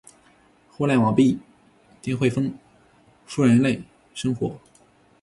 互联网必定会丰富人类生活